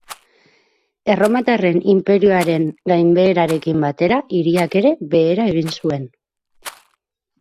Erromatarren inperioaren gainbeherarekin batera hiriak ere behera egin zuen.